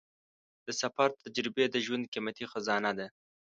د سفر تجربې د ژوند قیمتي خزانه ده.